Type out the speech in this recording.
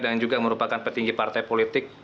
dan juga merupakan petinggi partai politik